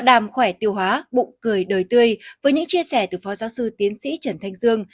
đàm khỏe tiêu hóa bụng cười đời tươi với những chia sẻ từ phó giáo sư tiến sĩ trần thanh dương